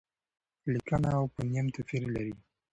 لیکنه او فونېم توپیر لري.